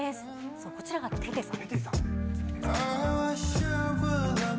そう、こちらがテテさん。